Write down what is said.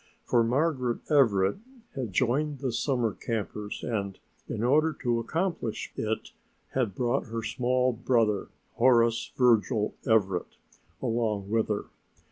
For Margaret Everett had joined the summer campers and, in order to accomplish it, had brought her small brother, Horace Virgil Everett, along with her.